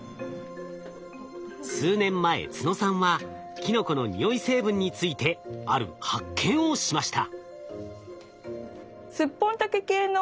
数年前都野さんはキノコの匂い成分についてある発見をしました。